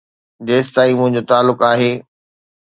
جيستائين منهنجو تعلق آهي.